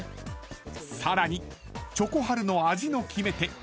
［さらにチョコハルの味の決め手